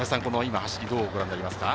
どうご覧になりますか？